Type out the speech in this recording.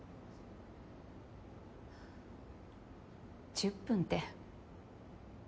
１０分って。